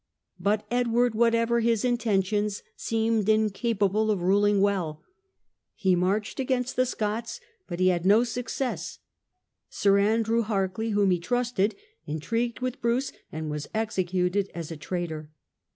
But Edward, whatever his intentions, seemed incapable of ruling well. He marched against the Scots, but he His incapacity had no success. Sir Andrew Harclay, whom for rule. j^g trusted, intrigued with Bruce, and was executed as a traitor.